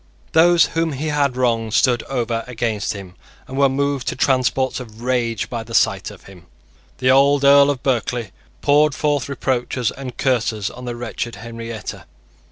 Those whom he had wronged stood over against him, and were moved to transports of rage by the sight of him. The old Earl of Berkeley poured forth reproaches and curses on the wretched Henrietta.